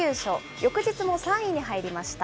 翌日も３位に入りました。